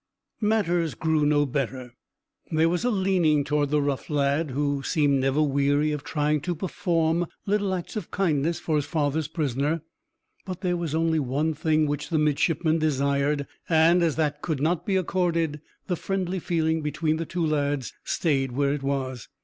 Matters grew no better. There was a leaning toward the rough lad, who seemed never weary of trying to perform little acts of kindness for his father's prisoner; but there was only one thing which the midshipman desired, and, as that could not be accorded, the friendly feeling between the two lads stayed where it was.